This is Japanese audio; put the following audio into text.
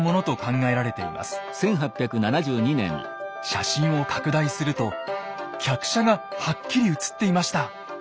写真を拡大すると客車がはっきり写っていました！